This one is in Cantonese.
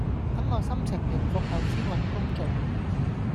等我心情平復後先搵工做